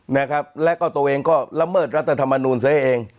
นะครับแล้วก็ตัวเองก็ละเมิดรัฐธรรมนูลเสียเอง